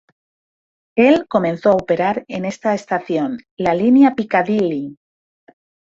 El comenzó a operar en esta estación la línea Piccadilly.